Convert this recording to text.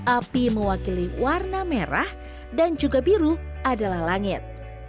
api mewakili warna merah dan juga biru adalah langit